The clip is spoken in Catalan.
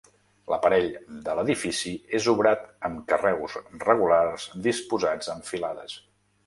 L'aparell de l'edifici és obrat amb carreus regulars disposats en filades.